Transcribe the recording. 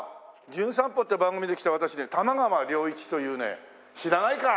『じゅん散歩』って番組で来た私ね玉川良一というね知らないか！